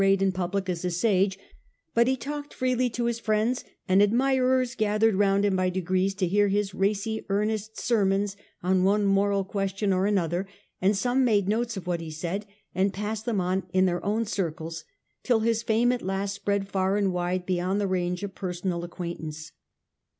VIIl. The Literary Currents of tlu Age, 171 public as a sage ; but he talked freely to his friends, and admirers gathered round him by degrees to hear his racy earnest sermons on one moral question or another, and some made notes of what he said, and passed them on in their own circles, till his fame at last spread far and wide beyond the range of personal acquaintance.